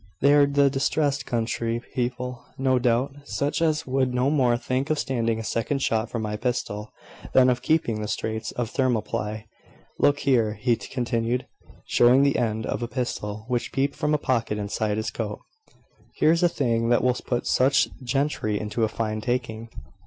"They are the distressed country people, no doubt such as would no more think of standing a second shot from my pistol, than of keeping the straits of Thermopylae. Look here," he continued, showing the end of a pistol, which peeped from a pocket inside his coat; "here's a thing that will put such gentry into a fine taking."